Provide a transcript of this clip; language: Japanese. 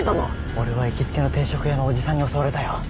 俺は行きつけの定食屋のおじさんに襲われたよ。